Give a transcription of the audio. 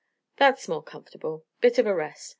"That's more comf'table. Bit of a rest.